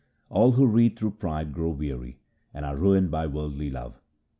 All who read through pride grow weary, and are ruined by worldly love.